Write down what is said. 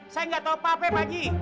saya gak tau apa apa pak ji